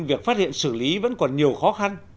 việc phát hiện xử lý vẫn còn nhiều khó khăn